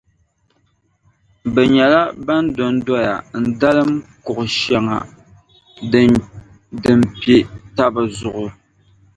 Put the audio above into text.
Bɛ nyɛla ban dondoya n-dalim kuɣu shεŋa din pe taba zuɣu.